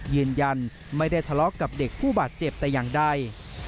ยืนยันไม่ได้ทะเลาะกับเด็กผู้บาดเจ็บแต่อย่างใด